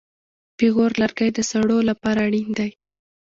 پېغور لرګی د سړو لپاره اړین دی.